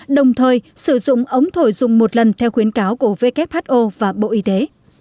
đồng thời sử dụng ống thổi dùng một lần theo khuyến cáo của who và bộ y tế